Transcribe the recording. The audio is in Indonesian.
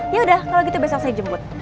ya udah kalau gitu besok saya jemput